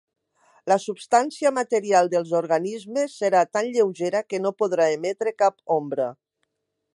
La substància material dels organismes serà tan lleugera que no podrà emetre cap ombra.